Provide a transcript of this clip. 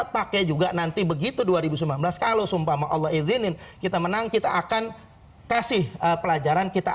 pakai juga nanti begitu dua ribu sembilan belas kalau sumpama allah izinin kita menang kita akan kasih pelajaran kita